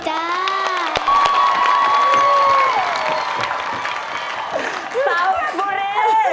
สาวภูริ